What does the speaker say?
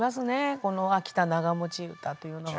この「秋田長持唄」というのは。